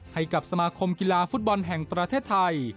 ให้กับสมาคมกีฬาฟุตบอลแห่งประเทศไทย